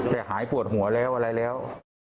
แต่หายปวดหัวแล้วอะไรแล้ว